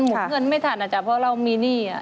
หมุนเงินไม่ทันเพราะเรามีหนี้